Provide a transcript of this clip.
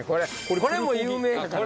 これも有名やから。